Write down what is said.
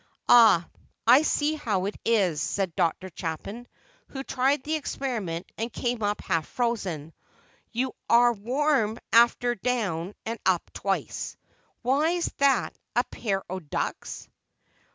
"Ah, I see how it is," said Dr. Chapin, who tried the experiment and came up half frozen; "you are warm after down and up twice? Why, that's a pair o' ducks!"